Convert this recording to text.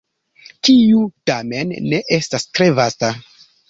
Kiu, tamen, ne estas tre vasta.